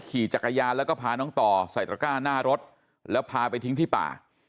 ขี่จักรยานแล้วก็พาน้องต่อใส่ตระก้าหน้ารถแล้วพาไปทิ้งที่ป่า